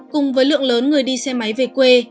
cùng với lượng lớn người đi xe máy về quê